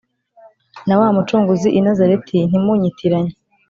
Nawamucunguzi inazareti Ntimunyitiranye